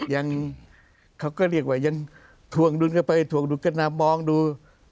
ยังเขาก็เรียกว่ายังทวงดุ้นเข้าไปทวงดุ้นก็น่ะมองดู